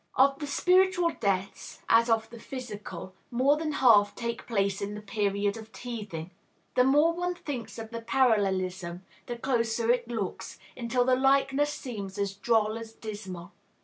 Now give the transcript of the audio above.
Of the spiritual deaths, as of the physical, more than half take place in the period of teething. The more one thinks of the parallelism, the closer it looks, until the likeness seems as droll as dismal.